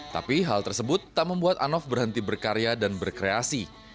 tapi hal tersebut tak membuat anof berhenti berkarya dan berkreasi